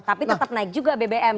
tapi tetap naik juga bbm